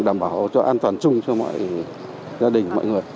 đảm bảo cho an toàn chung cho mọi gia đình mọi người